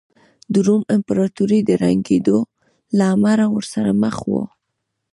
د روم امپراتورۍ د ړنګېدو له امله ورسره مخ وه